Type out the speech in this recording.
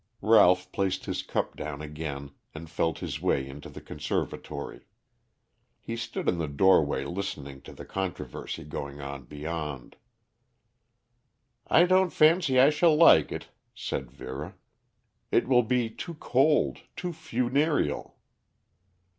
Ralph placed his cup down again and felt his way into the conservatory. He stood in the doorway listening to the controversy going on beyond. "I don't fancy I shall like it," said Vera. "It will be too cold, too funereal."